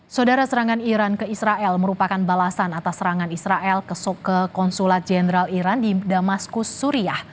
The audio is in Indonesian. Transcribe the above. saudara serangan iran ke israel merupakan balasan atas serangan israel ke soke konsulat jenderal iran di damaskus suriah